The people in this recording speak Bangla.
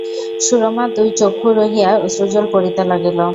সুরমার দুই চক্ষু রহিয়া অশ্রুজল পড়িতে লাগিল।